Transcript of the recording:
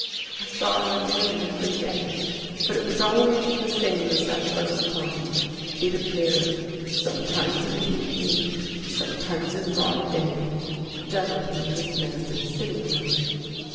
" I saw her nearly every day, but It was always the same as that first time. She'd appear — some times In the evening, sometimes In broad day — generally In Miss Meredith's sitting room.